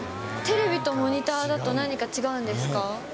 テレビとモニターだと、何か違うんですか？